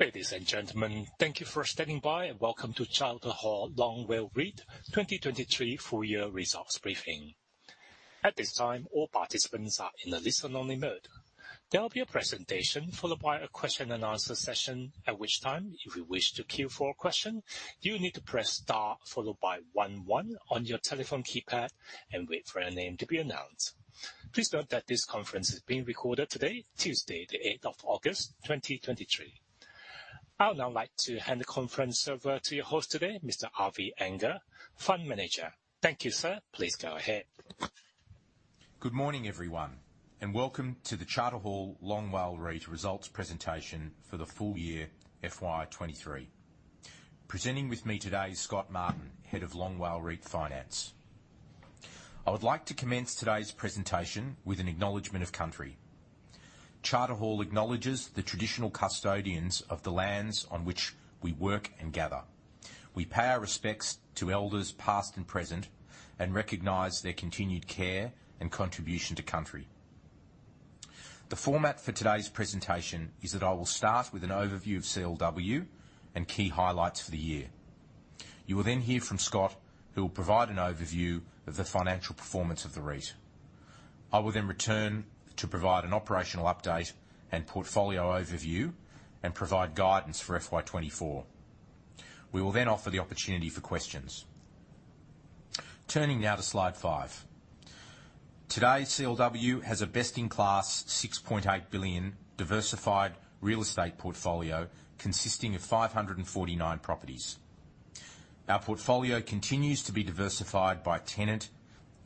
Ladies and gentlemen, thank you for standing by, and welcome to Charter Hall Long WALE REIT 2023 full year results briefing. At this time, all participants are in a listen-only mode. There will be a presentation followed by a question and answer session, at which time, if you wish to queue for a question, you need to press star followed by one, one on your telephone keypad and wait for your name to be announced. Please note that this conference is being recorded today, Tuesday, 08 August 2023. I would now like to hand the conference over to your host today, Mr. Avi Anger, fund manager. Thank you, sir. Please go ahead. Good morning, everyone, welcome to the Charter Hall Long WALE REIT results presentation for the full year FY 2023. Presenting with me today is Scott Martin, Head of Long WALE REIT Finance. I would like to commence today's presentation with an acknowledgement of country. Charter Hall acknowledges the traditional custodians of the lands on which we work and gather. We pay our respects to elders, past and present, and recognize their continued care and contribution to country. The format for today's presentation is that I will start with an overview of CLW and key highlights for the year. You will hear from Scott, who will provide an overview of the financial performance of the REIT. I will then return to provide an operational update and portfolio overview and provide guidance for FY 2024. We will then offer the opportunity for questions. Turning now to slide five. Today, CLW has a best-in-class 6.8 billion diversified real estate portfolio consisting of 549 properties. Our portfolio continues to be diversified by tenant,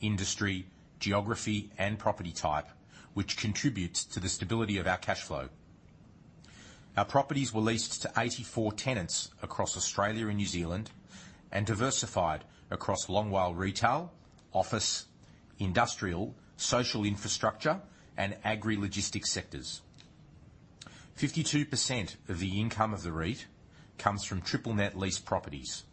industry, geography, and property type, which contributes to the stability of our cash flow. Our properties were leased to 84 tenants across Australia and New Zealand and diversified across Long WALE retail, office, industrial, social infrastructure, and Agri-Logistics sectors. 52% of the income of the REIT comes from triple net lease properties.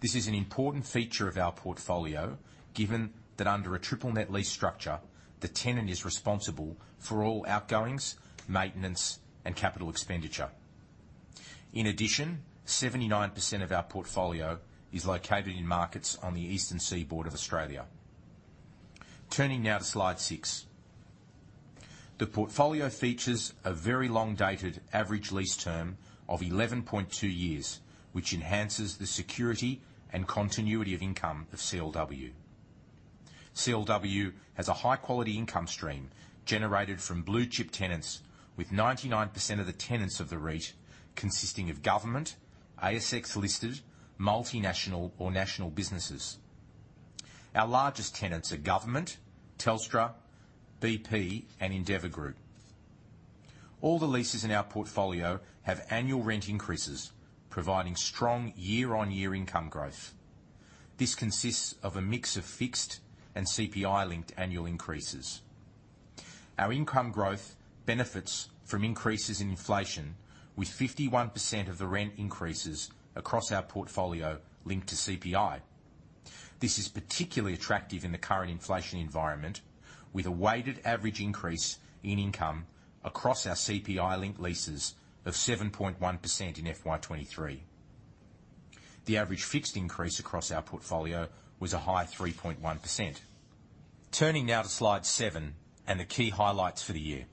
This is an important feature of our portfolio, given that under a triple net lease structure, the tenant is responsible for all outgoings, maintenance, and capital expenditure. 79% of our portfolio is located in markets on the eastern seaboard of Australia. Turning now to slide 6. The portfolio features a very long-dated average lease term of 11.2 years, which enhances the security and continuity of income of CLW. CLW has a high-quality income stream generated from blue-chip tenants, with 99% of the tenants of the REIT consisting of government, ASX-listed, multinational or national businesses. Our largest tenants are government, Telstra, bp, and Endeavour Group. All the leases in our portfolio have annual rent increases, providing strong year-on-year income growth. This consists of a mix of fixed and CPI-linked annual increases. Our income growth benefits from increases in inflation, with 51% of the rent increases across our portfolio linked to CPI. This is particularly attractive in the current inflation environment, with a weighted average increase in income across our CPI-linked leases of 7.1% in FY 2023. The average fixed increase across our portfolio was a high 3.1%. Turning now to slide 7 and the key highlights for the year.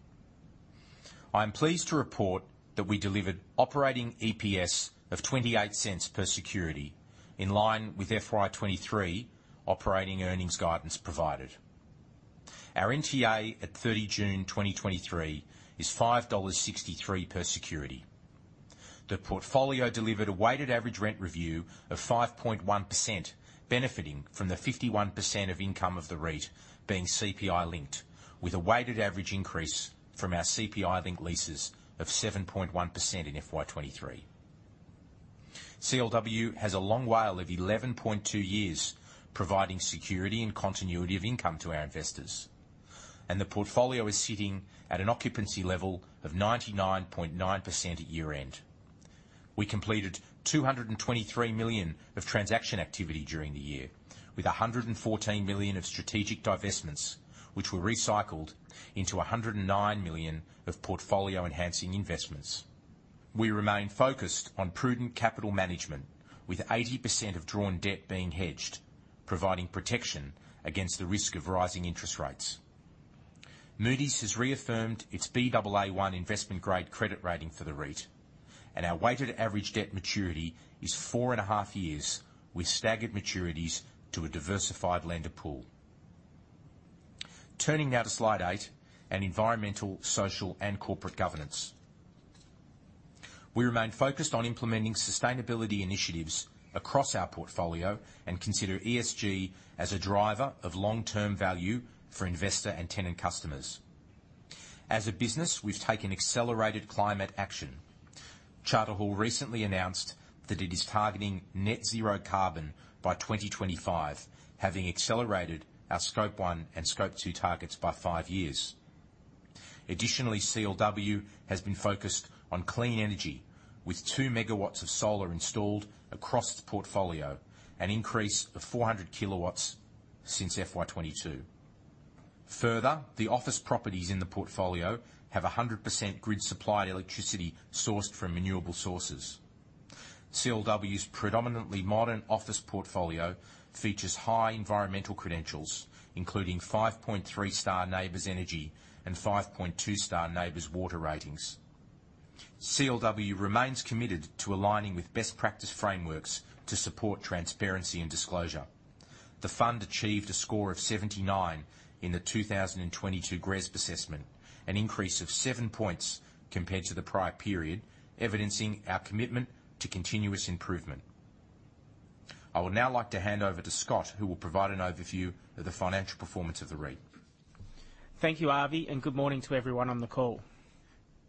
I am pleased to report that we delivered operating EPS of 0.28 per security, in line with FY 2023 operating earnings guidance provided. Our NTA at June 30, 2023 is AUD 5.63 per security. The portfolio delivered a weighted average rent review of 5.1%, benefiting from the 51% of income of the REIT being CPI linked, with a weighted average increase from our CPI linked leases of 7.1% in FY 2023. CLW has a long WALE of 11.2 years, providing security and continuity of income to our investors. The portfolio is sitting at an occupancy level of 99.9% at year-end. We completed 223 million of transaction activity during the year, with 114 million of strategic divestments, which were recycled into 109 million of portfolio-enhancing investments. We remain focused on prudent capital management, with 80% of drawn debt being hedged, providing protection against the risk of rising interest rates. Moody's has reaffirmed its Baa1 investment-grade credit rating for the REIT, and our weighted average debt maturity is 4.5 years, with staggered maturities to a diversified lender pool. Turning now to slide 8, Environmental, social, and corporate governance. We remain focused on implementing sustainability initiatives across our portfolio and consider ESG as a driver of long-term value for investor and tenant customers. As a business, we've taken accelerated climate action. Charter Hall recently announced that it is targeting net zero carbon by 2025, having accelerated our Scope 1 and Scope 2 targets by 5 years. Additionally, CLW has been focused on clean energy, with 2MW of solar installed across the portfolio, an increase of 400kW since FY 2022. Further, the office properties in the portfolio have 100% grid-supplied electricity sourced from renewable sources. CLW's predominantly modern office portfolio features high environmental credentials, including 5.3-star NABERS energy and 5.2-star NABERS water ratings. CLW remains committed to aligning with best practice frameworks to support transparency and disclosure. The fund achieved a score of 79 in the 2022 GRESB assessment, an increase of 7 points compared to the prior period, evidencing our commitment to continuous improvement. I would now like to hand over to Scott, who will provide an overview of the financial performance of the REIT. Thank you, Avi. Good morning to everyone on the call.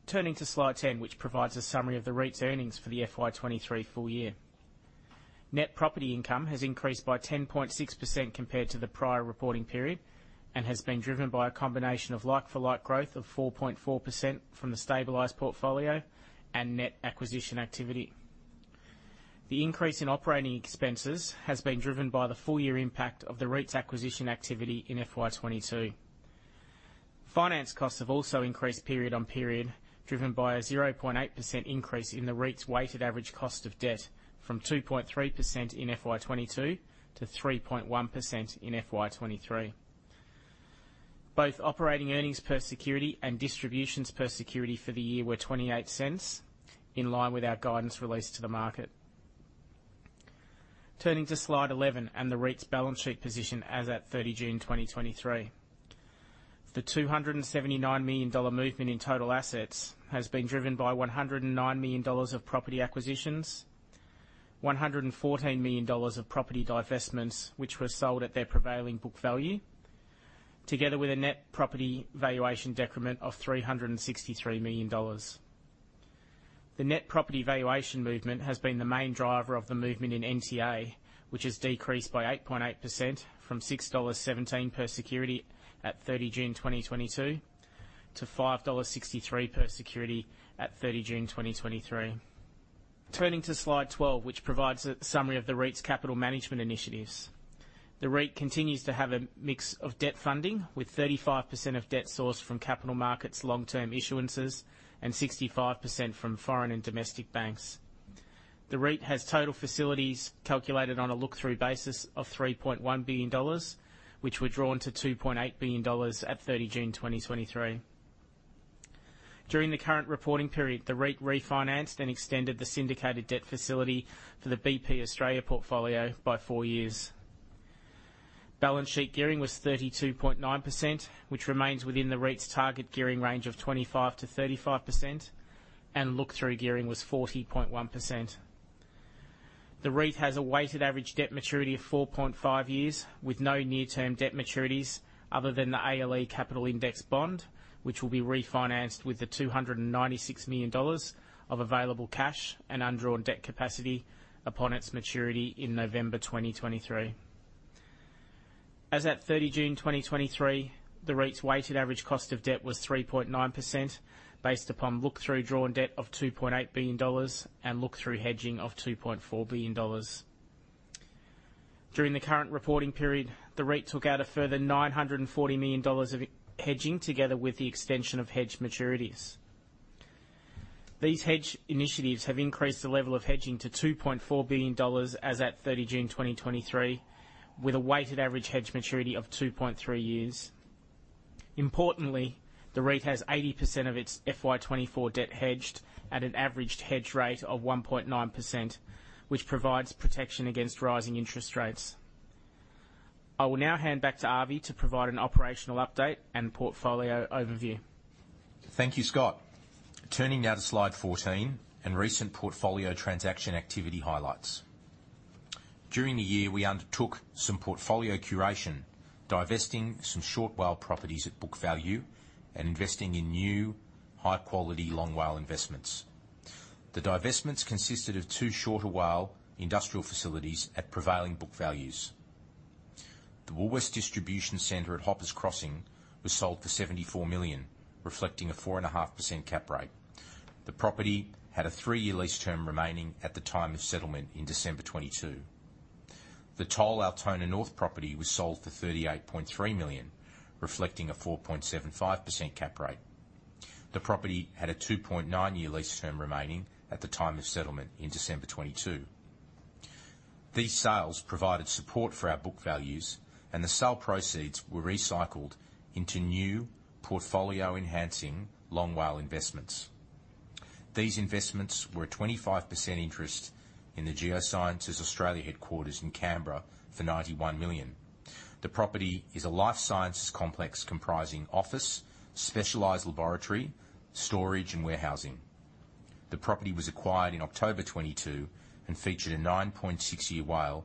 Turning to slide 10, which provides a summary of the REIT's earnings for the FY 2023 full year. Net property income has increased by 10.6% compared to the prior reporting period, and has been driven by a combination of like-for-like growth of 4.4% from the stabilized portfolio and net acquisition activity. The increase in operating expenses has been driven by the full year impact of the REIT's acquisition activity in FY 2022. Finance costs have also increased period on period, driven by a 0.8% increase in the REIT's weighted average cost of debt, from 2.3% in FY 2022 to 3.1% in FY 2023. Both operating earnings per security and distributions per security for the year were 0.28, in line with our guidance released to the market. Turning to slide 11 and the REIT's balance sheet position as at 30 June 2023. The 279 million dollar movement in total assets has been driven by 109 million dollars of property acquisitions, 114 million dollars of property divestments, which were sold at their prevailing book value, together with a net property valuation decrement of 363 million dollars. The net property valuation movement has been the main driver of the movement in NTA, which has decreased by 8.8% from 6.17 dollars per security at 30 June 2022, to 5.63 dollars per security at 30 June 2023. Turning to Slide 12, which provides a summary of the REIT's capital management initiatives. The REIT continues to have a mix of debt funding, with 35% of debt sourced from capital markets long-term issuances, and 65% from foreign and domestic banks. The REIT has total facilities calculated on a look-through basis of 3.1 billion dollars, which were drawn to 2.8 billion dollars at 30 June 2023. During the current reporting period, the REIT refinanced and extended the syndicated debt facility for the bp Australia portfolio by four years. Balance sheet gearing was 32.9%, which remains within the REIT's target gearing range of 25%-35%, and look-through gearing was 40.1%. The REIT has a weighted average debt maturity of 4.5 years, with no near-term debt maturities other than the ALE capital indexed bond, which will be refinanced with the 296 million dollars of available cash and undrawn debt capacity upon its maturity in November 2023. As at June 30, 2023, the REIT's weighted average cost of debt was 3.9%, based upon look-through drawn debt of AUD 2.8 billion and look-through hedging of AUD 2.4 billion. During the current reporting period, the REIT took out a further AUD 940 million of hedging, together with the extension of hedge maturities. These hedge initiatives have increased the level of hedging to 2.4 billion dollars as at June 30, 2023, with a weighted average hedge maturity of 2.3 years. Importantly, the REIT has 80% of its FY 2024 debt hedged at an averaged hedge rate of 1.9%, which provides protection against rising interest rates. I will now hand back to Avi to provide an operational update and portfolio overview. Thank you, Scott. Turning now to slide 14 and recent portfolio transaction activity highlights. During the year, we undertook some portfolio curation, divesting some short WALE properties at book value and investing in new, high-quality, long WALE investments. The divestments consisted of 2 shorter WALE industrial facilities at prevailing book values. The Woolworths Distribution Centre at Hoppers Crossing was sold for AUD 74 million, reflecting a 4.5% cap rate. The property had a 3-year lease term remaining at the time of settlement in December 2022. The Toll Altona North property was sold for AUD 38.3 million, reflecting a 4.75% cap rate. The property had a 2.9-year lease term remaining at the time of settlement in December 2022. These sales provided support for our book values, and the sale proceeds were recycled into new portfolio-enhancing, long WALE investments. These investments were a 25% interest in the Geoscience Australia headquarters in Canberra for 91 million. The property is a life sciences complex comprising office, specialized laboratory, storage, and warehousing. The property was acquired in October 2022 and featured a 9.6-year WALE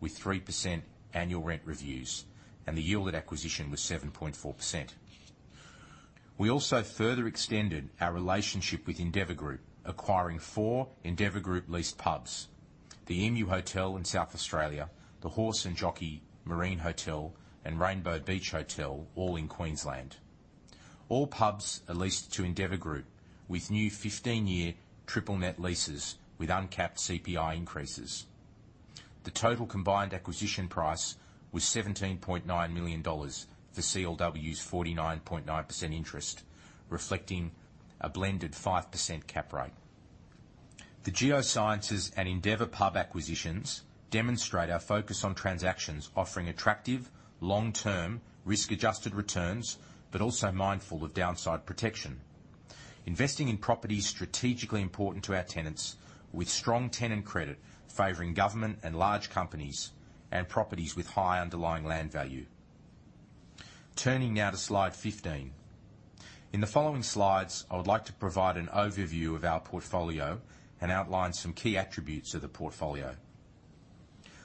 with 3% annual rent reviews, and the yield at acquisition was 7.4%. We also further extended our relationship with Endeavour Group, acquiring four Endeavour Group leased pubs: the Emu Hotel in South Australia, the Horse and Jockey, Marine Hotel, and Rainbow Beach Hotel, all in Queensland. All pubs are leased to Endeavour Group with new 15-year triple net leases with uncapped CPI increases. The total combined acquisition price was 17.9 million dollars for CLW's 49.9% interest, reflecting a blended 5% cap rate. The Geoscience and Endeavour Pub acquisitions demonstrate our focus on transactions offering attractive, long-term, risk-adjusted returns, but also mindful of downside protection, investing in properties strategically important to our tenants, with strong tenant credit favoring government and large companies, and properties with high underlying land value. Turning now to slide 15. In the following slides, I would like to provide an overview of our portfolio and outline some key attributes of the portfolio.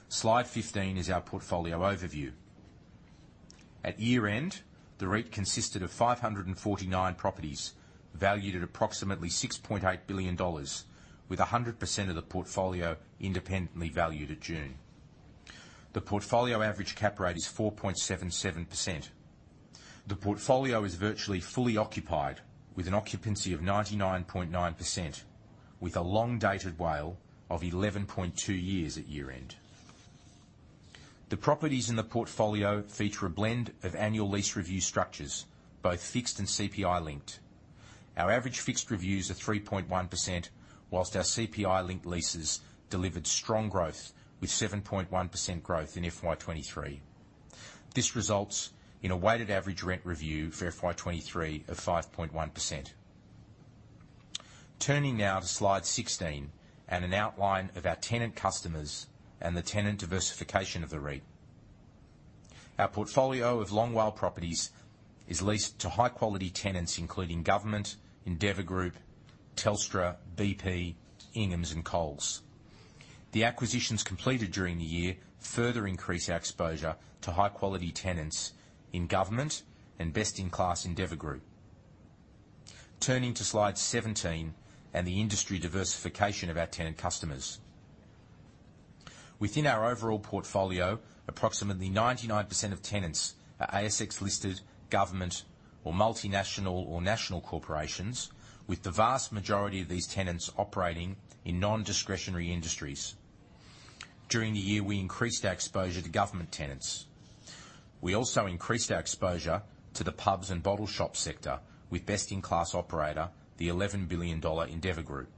Slide 15 is our portfolio overview. At year-end, the rate consisted of 549 properties, valued at approximately 6.8 billion dollars, with 100% of the portfolio independently valued at June. The portfolio average cap rate is 4.77%. The portfolio is virtually fully occupied, with an occupancy of 99.9%, with a long-dated WALE of 11.2 years at year-end. The properties in the portfolio feature a blend of annual lease review structures, both fixed and CPI-linked. Our average fixed reviews are 3.1%, whilst our CPI-linked leases delivered strong growth, with 7.1% growth in FY 2023. This results in a weighted average rent review for FY 2023 of 5.1%. Turning now to slide 16, and an outline of our tenant customers and the tenant diversification of the REIT. Our portfolio of long WALE properties is leased to high-quality tenants, including government, Endeavour Group, Telstra, bp, Inghams, and Coles. The acquisitions completed during the year further increase our exposure to high-quality tenants in government and best-in-class Endeavour Group. Turning to slide 17 and the industry diversification of our tenant customers. Within our overall portfolio, approximately 99% of tenants are ASX-listed government or multinational or national corporations, with the vast majority of these tenants operating in non-discretionary industries. During the year, we increased our exposure to government tenants. We also increased our exposure to the pubs and bottle shop sector with best-in-class operator, the 11 billion dollar Endeavour Group.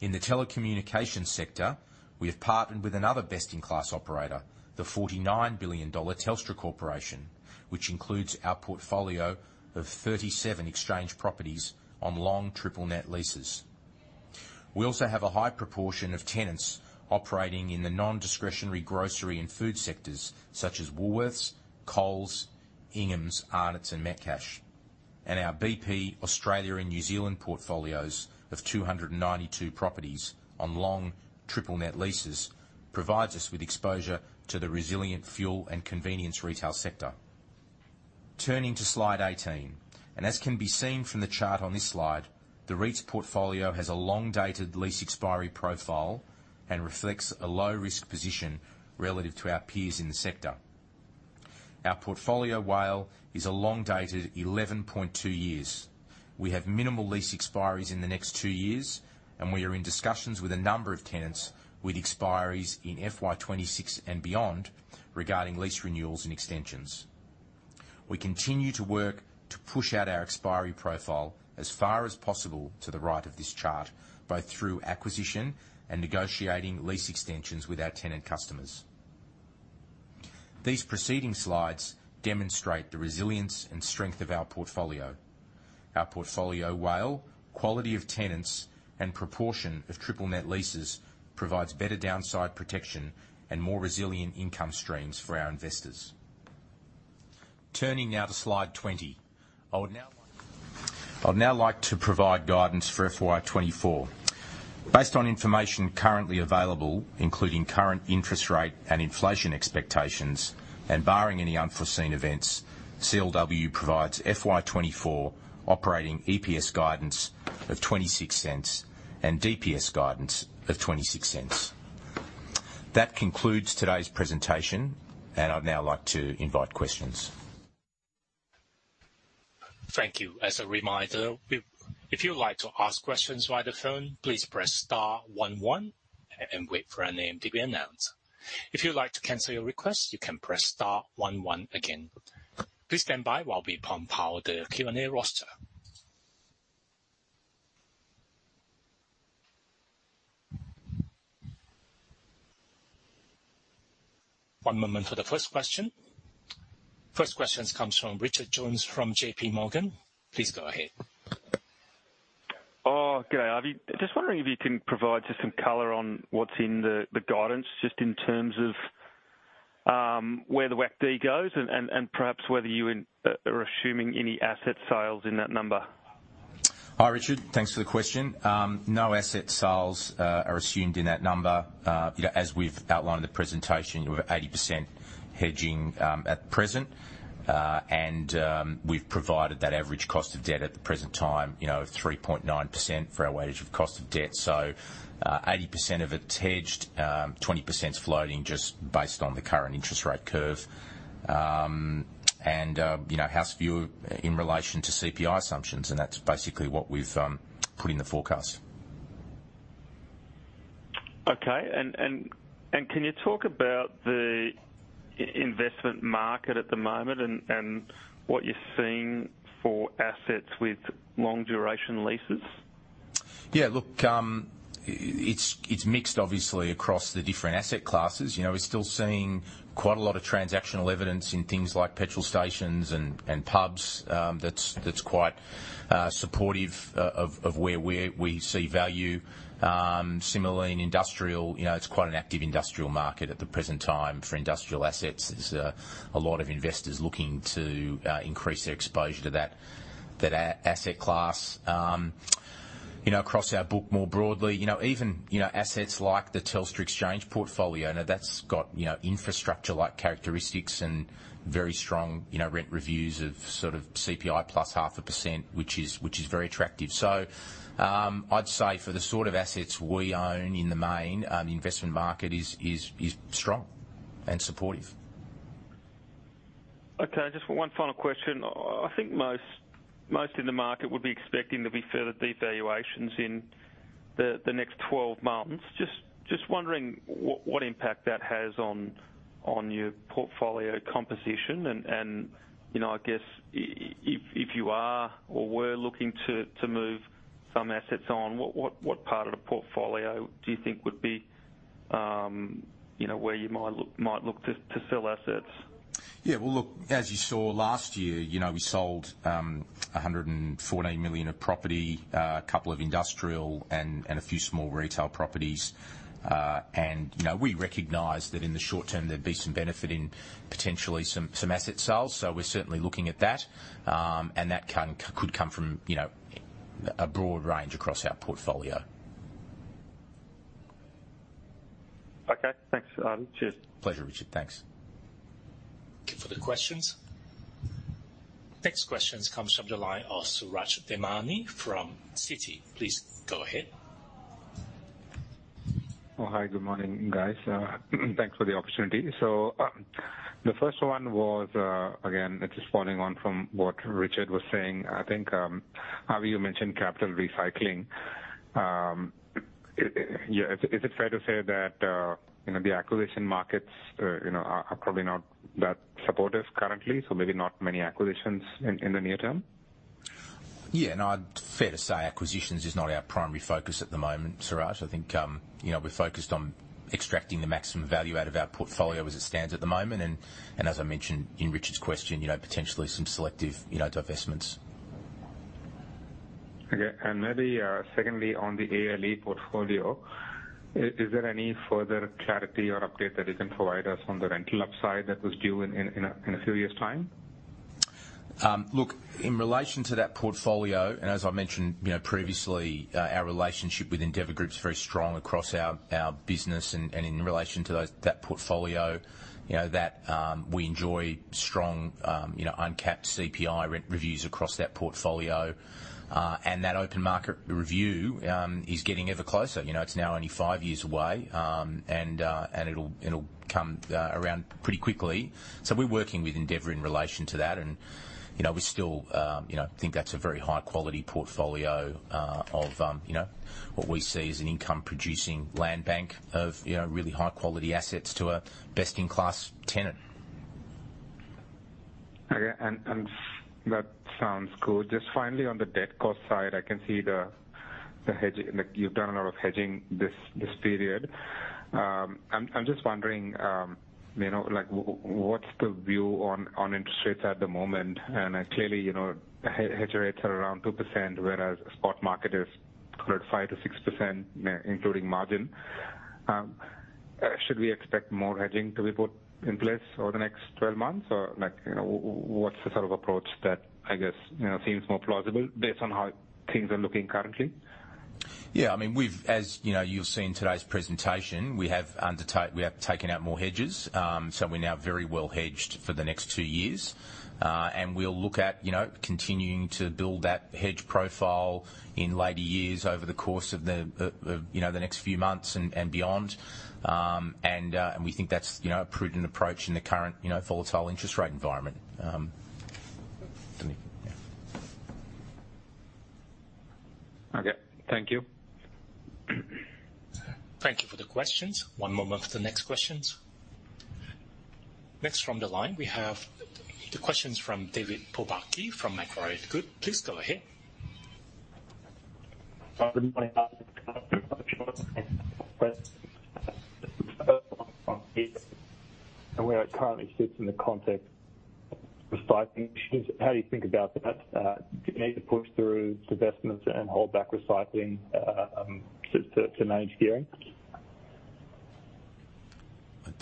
In the telecommunications sector, we have partnered with another best-in-class operator, the AUD 49 billion Telstra Corporation, which includes our portfolio of 37 exchange properties on long triple net leases. We also have a high proportion of tenants operating in the non-discretionary grocery and food sectors, such as Woolworths, Coles, Inghams, Arnott's, and Metcash. Our bp Australia and New Zealand portfolios of 292 properties on long triple net leases provides us with exposure to the resilient fuel and convenience retail sector. Turning to slide 18, and as can be seen from the chart on this slide, the REIT's portfolio has a long-dated lease expiry profile and reflects a low-risk position relative to our peers in the sector. Our portfolio WALE is a long-dated 11.2 years. We have minimal lease expiries in the next two years, and we are in discussions with a number of tenants with expiries in FY 2026 and beyond regarding lease renewals and extensions. We continue to work to push out our expiry profile as far as possible to the right of this chart, both through acquisition and negotiating lease extensions with our tenant customers. These preceding slides demonstrate the resilience and strength of our portfolio. Our portfolio WALE, quality of tenants, and proportion of triple net leases provides better downside protection and more resilient income streams for our investors. Turning now to slide 20, I'd now like to provide guidance for FY 2024. Based on information currently available, including current interest rate and inflation expectations, barring any unforeseen events, CLW provides FY 2024 operating EPS guidance of 26 cents and DPS guidance of 26 cents. That concludes today's presentation, I'd now like to invite questions. Thank you. As a reminder, if you'd like to ask questions via the phone, please press star one one and wait for your name to be announced. If you'd like to cancel your request, you can press star one one again. Please stand by while we compile the Q&A roster. One moment for the first question. First questions comes from Richard Jones from JP Morgan. Please go ahead. Okay, Avi. Just wondering if you can provide just some color on what's in the, the guidance, just in terms of, where the WACD goes and, and, and perhaps whether you are assuming any asset sales in that number? Hi, Richard. Thanks for the question. No asset sales are assumed in that number. You know, as we've outlined in the presentation, we're at 80% hedging at present. We've provided that average cost of debt at the present time, you know, 3.9% for our weighted cost of debt. 80% of it's hedged, 20%'s floating just based on the current interest rate curve. You know, how's view in relation to CPI assumptions, and that's basically what we've put in the forecast. Okay, can you talk about the investment market at the moment, and, and what you're seeing for assets with long duration leases? Yeah, look, it's, it's mixed obviously across the different asset classes. You know, we're still seeing quite a lot of transactional evidence in things like petrol stations and, and pubs, that's, that's quite supportive of, of where we see value. Similarly in industrial, you know, it's quite an active industrial market at the present time for industrial assets. There's a lot of investors looking to increase their exposure to that, that asset class. You know, across our book more broadly, you know, even, you know, assets like the Telstra Exchange portfolio, now that's got, you know, infrastructure-like characteristics and very strong, you know, rent reviews of sort of CPI plus 0.5%, which is, which is very attractive. I'd say for the sort of assets we own in the main, the investment market is, is, is strong and supportive. Okay, just one final question. I think most in the market would be expecting there'll be further devaluations in the next 12 months. Just wondering what impact that has on your portfolio composition and, you know, I guess, if you are or were looking to move some assets on, what part of the portfolio do you think would be, you know, where you might look to sell assets? Yeah, well, look, as you saw last year, you know, we sold 114 million of property, a couple of industrial and a few small retail properties. You know, we recognize that in the short term there'd be some benefit in potentially some asset sales, so we're certainly looking at that. That can, could come from, you know, a broad range across our portfolio. Okay. Thanks, Cheers. Pleasure, Richard. Thanks. Thank you for the questions. Next questions comes from the line of Suraj Nebhani from Citi. Please go ahead. Well, hi, good morning, guys. Thanks for the opportunity. Again, it's just following on from what Richard was saying. I think, how you mentioned capital recycling. Yeah, is it, is it fair to say that, you know, the acquisition markets, you know, are, are probably not that supportive currently, so maybe not many acquisitions in, in the near term? Yeah. No, fair to say, acquisitions is not our primary focus at the moment, Suraj. I think, you know, we're focused on extracting the maximum value out of our portfolio as it stands at the moment, and, and as I mentioned in Richard's question, you know, potentially some selective, you know, divestments. Okay. maybe, secondly, on the ALE portfolio, is there any further clarity or update that you can provide us on the rental upside that was due in, in a, in a few years' time? Look, in relation to that portfolio, and as I mentioned, you know, previously, our relationship with Endeavour Group is very strong across our, our business and, and in relation to those, that portfolio, you know, that we enjoy strong, you know, uncapped CPI rent reviews across that portfolio. That open market review is getting ever closer. You know, it's now only 5 years away, and it'll, it'll come around pretty quickly. We're working with Endeavour in relation to that, and, you know, we still, you know, think that's a very high quality portfolio of, you know, what we see as an income producing land bank of, you know, really high quality assets to a best-in-class tenant. Okay, and that sounds good. Just finally, on the debt cost side, I can see the hedge, like you've done a lot of hedging this, this period. I'm just wondering, you know, like, what's the view on, on interest rates at the moment? Clearly, you know, hedge rates are around 2%, whereas spot market is around 5%-6%, including margin. Should we expect more hedging to be put in place over the next 12 months? Or like, you know, what's the sort of approach that I guess, you know, seems more plausible based on how things are looking currently? Yeah, I mean, we've, as, you know, you've seen today's presentation, we have taken out more hedges. We're now very well hedged for the next 2 years. We'll look at, you know, continuing to build that hedge profile in later years over the course of the, you know, the next few months and, and beyond. We think that's, you know, a prudent approach in the current, you know, volatile interest rate environment. Yeah. Okay, thank you. Thank you for the questions. One moment for the next questions. From the line, we have the questions from David Pobucky from Macquarie Group. Please go ahead. Good morning and where it currently sits in the context recycling. How do you think about that? Do you need to push through divestments and hold back recycling to manage gearing?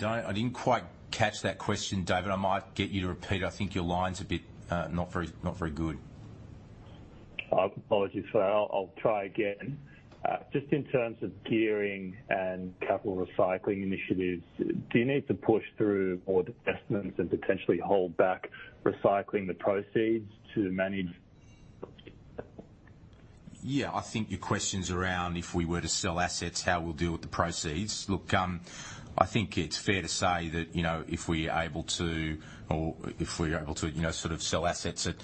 I didn't quite catch that question, David. I might get you to repeat it. I think your line's a bit, not very, not very good. Apologies for that. I'll, I'll try again. Just in terms of gearing and capital recycling initiatives, do you need to push through more divestments and potentially hold back recycling the proceeds to manage? Yeah, I think your question's around if we were to sell assets, how we'll deal with the proceeds. Look, I think it's fair to say that, you know, if we are able to, or if we are able to, you know, sort of sell assets at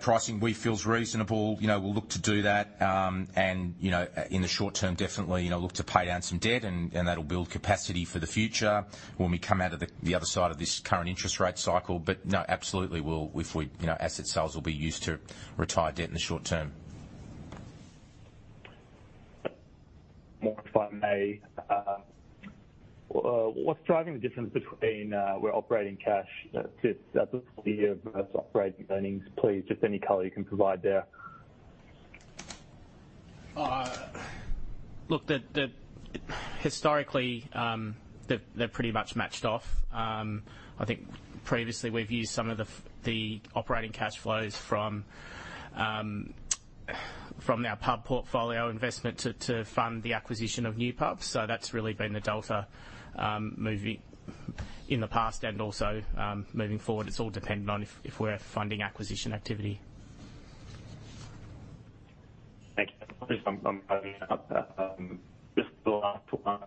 pricing we feel is reasonable, you know, we'll look to do that. You know, in the short term, definitely, you know, look to pay down some debt and, and that'll build capacity for the future when we come out of the, the other side of this current interest rate cycle. No, absolutely, we'll, if we, you know, asset sales will be used to retire debt in the short term. Mark, if I may, what's driving the difference between where operating cash sits at the year versus operating earnings, please? Just any color you can provide there. Look, historically, they're pretty much matched off. I think previously we've used some of the operating cash flows from our pub portfolio investment to fund the acquisition of new pubs. That's really been the delta, moving in the past and also moving forward. It's all dependent on if we're funding acquisition activity. Thank you. I'm, I'm, just the last one,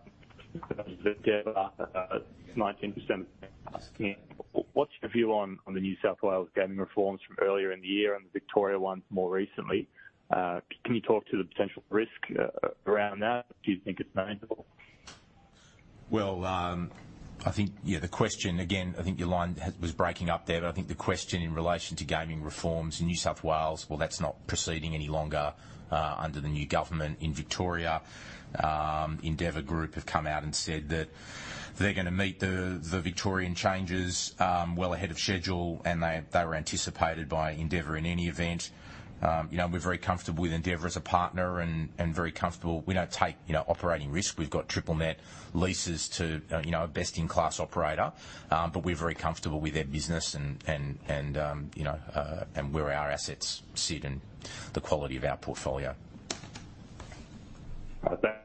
19%. What's your view on, on the New South Wales gaming reforms from earlier in the year and the Victoria one more recently? Can you talk to the potential risk, around that? Do you think it's manageable? Well, I think, yeah, the question again, I think your line has, was breaking up there. I think the question in relation to gaming reforms in New South Wales, well, that's not proceeding any longer under the new government in Victoria. Endeavour Group have come out and said that they're going to meet the Victorian changes well ahead of schedule, and they were anticipated by Endeavour. In any event, you know, we're very comfortable with Endeavour as a partner and very comfortable... We don't take, you know, operating risk. We've got triple net leases to, you know, a best-in-class operator. We're very comfortable with their business and, and, and, you know, and where our assets sit and the quality of our portfolio. Right. Thank you.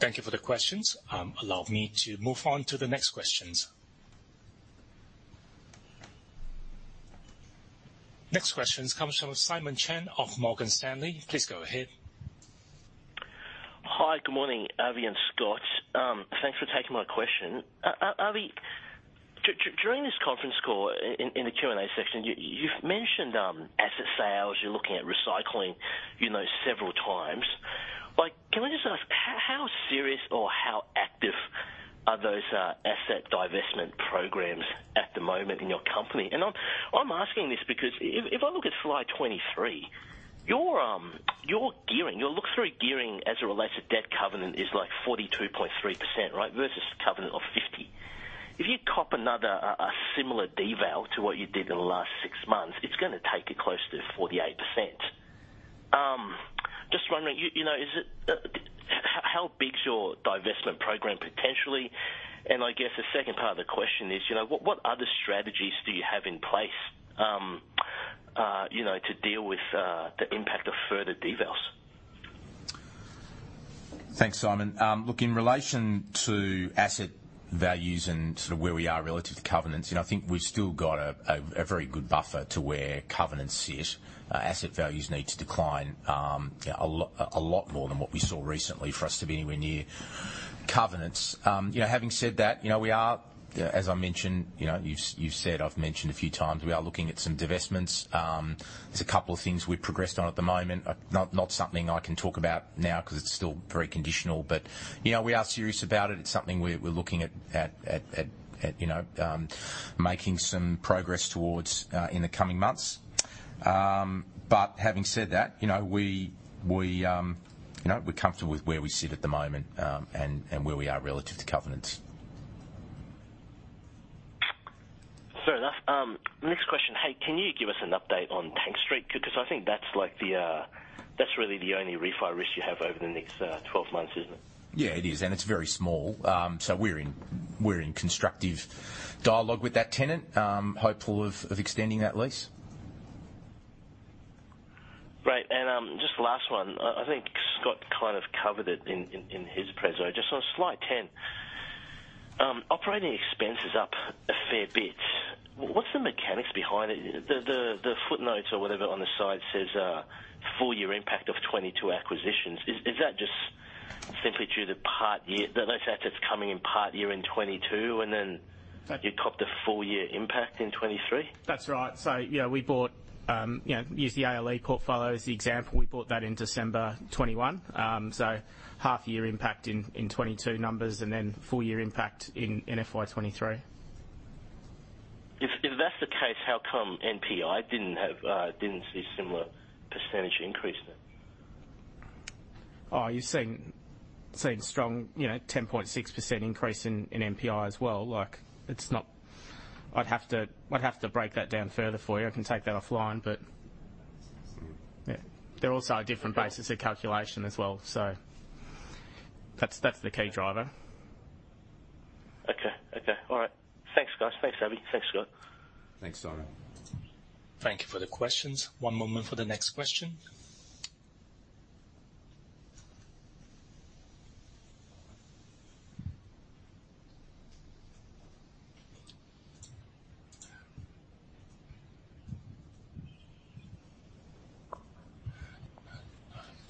Thank you for the questions. Allow me to move on to the next questions. Next question comes from Simon Chen of Morgan Stanley. Please go ahead. Hi, good morning, Avi and Scott. Thanks for taking my question. Avi, during this conference call, in the Q&A section, you mentioned asset sales. You're looking at recycling, you know, several times. Can we just ask, how serious or how active are those asset divestment programs at the moment in your company? I'm asking this because if I look at FY 2023, your gearing, your look-through gearing as it relates to debt covenant is, like, 42.3%, right? Versus a covenant of 50. If you cop another similar deval to what you did in the last 6 months, it's gonna take you close to 48%. Just wondering, you know, is it, how big is your divestment program, potentially? I guess the second part of the question is, you know, what, what other strategies do you have in place, you know, to deal with the impact of further devals? Thanks, Simon. Look, in relation to asset values and sort of where we are relative to covenants, you know, I think we've still got a very good buffer to where covenants sit. Asset values need to decline, yeah, a lot, a lot more than what we saw recently for us to be anywhere near covenants. You know, having said that, you know, we are, as I mentioned, you know, you've, you've said, I've mentioned a few times, we are looking at some divestments. There's a couple of things we've progressed on at the moment. Not something I can talk about now because it's still very conditional. You know, we are serious about it. It's something we're looking at, you know, making some progress towards in the coming months. Having said that, you know, we, we, you know, we're comfortable with where we sit at the moment, and, and where we are relative to covenants. Fair enough. next question: Hey, can you give us an update on Tank Street? I think that's like, that's really the only refi risk you have over the next 12 months, isn't it? Yeah, it is, and it's very small. We're in, we're in constructive dialogue with that tenant, hopeful of, of extending that lease. Great. Just the last one, I, I think Scott kind of covered it in, in, in his presentation. Just on slide 10, operating expense is up a fair bit. What's the mechanics behind it? The, the, the footnotes or whatever on the side says a full year impact of FY 2022 acquisitions. Is, is that just simply due to part year, those assets coming in part year in FY 2022, and then you copped a full year impact in FY 2023? That's right. you know, we bought, you know, use the ALE portfolio as the example. We bought that in December 2021. half year impact in, in 2022 numbers, and then full year impact in, in FY 2023. If, if that's the case, how come NPI didn't have, didn't see similar % increase then? Oh, you've seen, seen strong, you know, 10.6% increase in, in NPI as well. Like, it's not... I'd have to, I'd have to break that down further for you. I can take that offline, but yeah, they're also a different basis of calculation as well. That's, that's the key driver. Okay. Okay. All right. Thanks, guys. Thanks, Avi. Thanks, Scott. Thanks, Simon. Thank you for the questions. One moment for the next question.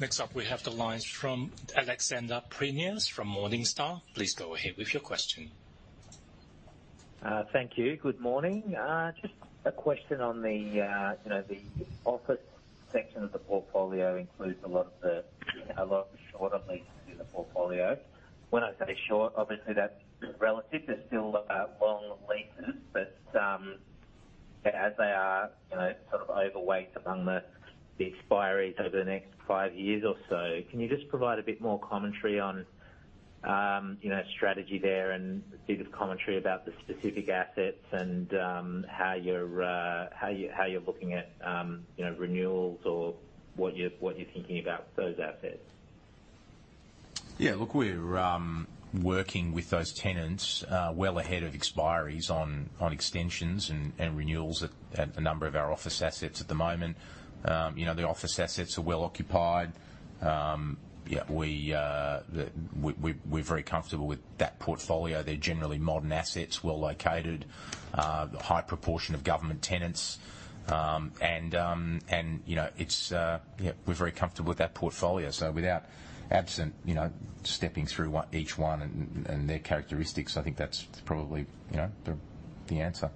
Next up, we have the lines from Alexander Prineas, from Morningstar. Please go ahead with your question. Thank you. Good morning. Just a question on the, you know, the office section of the portfolio includes a lot of the, a lot of the shorter leases in the portfolio. When I say short, obviously, that's relative. They're still long leases, but as they are, you know, sort of overweight among the, the expiries over the next 5 years or so. Can you just provide a bit more commentary on, you know, strategy there and a bit of commentary about the specific assets and how you're, how you, how you're looking at, you know, renewals or what you're, what you're thinking about those assets? Yeah, look, we're working with those tenants well ahead of expiries on extensions and renewals at a number of our office assets at the moment. You know, the office assets are well occupied. Yeah, we, the, we, we, we're very comfortable with that portfolio. They're generally modern assets, well located, high proportion of government tenants. You know, it's, yeah, we're very comfortable with that portfolio. Without absent, you know, stepping through one, each one and their characteristics, I think that's probably, you know, the answer.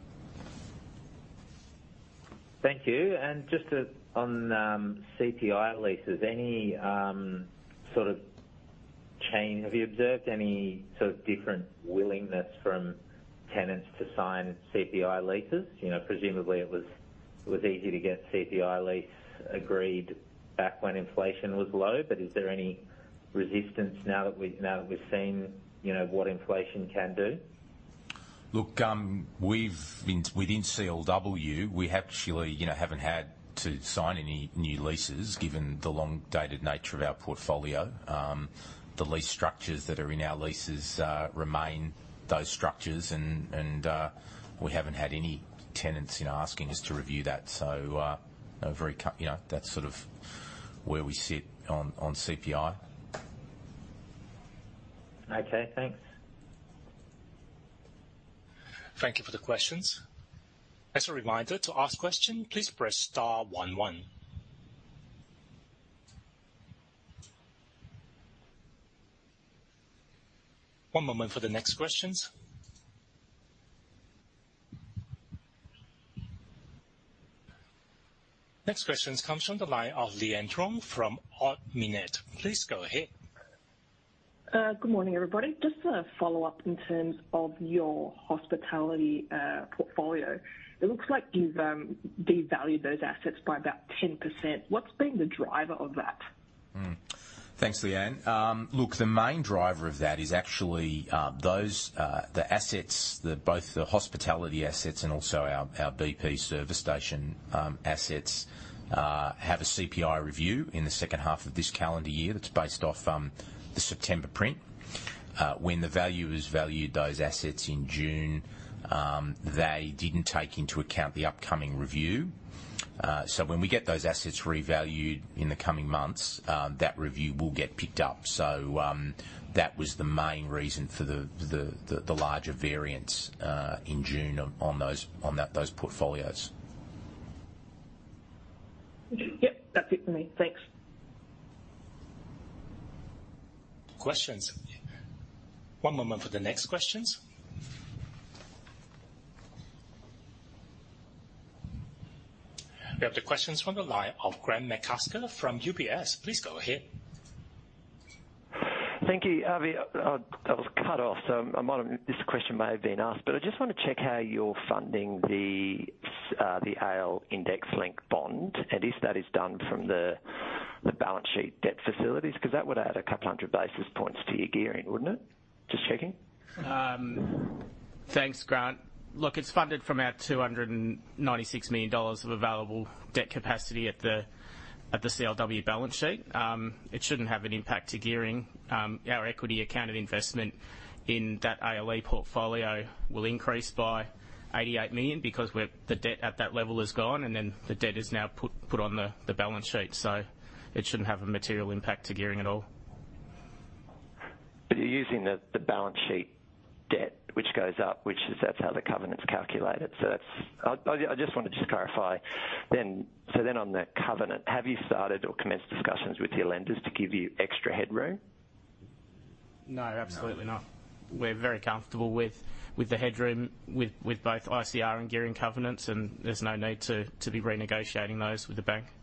Thank you, and just to, on, CPI leases, any sort of change... Have you observed any sort of different willingness from tenants to sign CPI leases? You know, presumably it was, it was easy to get CPI lease agreed back when inflation was low, but is there any resistance now that we've, now that we've seen, you know, what inflation can do? Look, we've within CLW, we actually, you know, haven't had to sign any new leases, given the long-dated nature of our portfolio. The lease structures that are in our leases, remain those structures, and, and, we haven't had any tenants, you know, asking us to review that. We're very com- you know, that's sort of where we sit on, on CPI. Okay, thanks. Thank you for the questions. As a reminder, to ask question, please press star one, one. One moment for the next questions. Next questions comes from the line of Leanne Truong from Ord Minnett. Please go ahead. Good morning, everybody. Just a follow-up in terms of your hospitality portfolio. It looks like you've devalued those assets by about 10%. What's been the driver of that? Thanks, Leanne. Look, the main driver of that is actually those the assets, the both the hospitality assets and also our our bp service station assets have a CPI review in the second half of this calendar year that's based off the September print. When the value is valued, those assets in June, they didn't take into account the upcoming review. When we get those assets revalued in the coming months, that review will get picked up. That was the main reason for the the the larger variance in June on on those on that those portfolios. Yep, that's it for me. Thanks. Questions? One moment for the next questions. We have the questions from the line of Grant McCasker from UBS. Please go ahead. Thank you. Avi, I was cut off, so I might have... This question may have been asked, but I just want to check how you're funding the ALE index-linked bond, and if that is done from the, the balance sheet debt facilities, because that would add 200 basis points to your gearing, wouldn't it? Just checking. Thanks, Grant. Look, it's funded from our 296 million dollars of available debt capacity at the CLW balance sheet. It shouldn't have an impact to gearing. Our equity accounted investment in that ALE portfolio will increase by 88 million because the debt at that level is gone, and then the debt is now put on the balance sheet. It shouldn't have a material impact to gearing at all. You're using the, the balance sheet debt, which goes up, which is, that's how the covenant's calculated. That's, I, I just wanted to clarify. On the covenant, have you started or commenced discussions with your lenders to give you extra headroom? No, absolutely not. No. We're very comfortable with the headroom, with both ICR and gearing covenants. There's no need to be renegotiating those with the bank.